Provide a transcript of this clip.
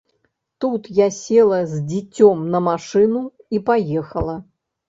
Тут я села з дзіцём на машыну і паехала.